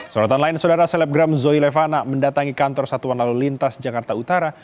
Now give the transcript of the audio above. sorotan lain saudara selebgram zoy levana mendatangi kantor satuan lalu lintas jakarta utara